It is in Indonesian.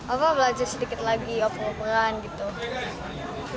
apa belajar sedikit lagi operan gitu